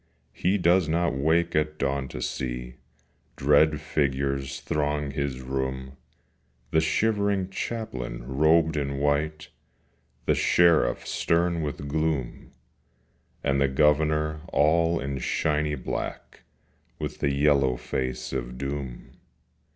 He does not wake at dawn to see Dread figures throng his room, The shivering Chaplain robed in white, The Sheriff stern with gloom, And the Governor all in shiny black, With the yellow face of Doom.